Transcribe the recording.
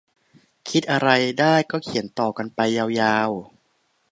คิดอะไรได้ก็เขียนต่อกันไปยาวยาว